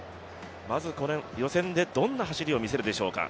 まず予選でどんな走りを見せるでしょうか。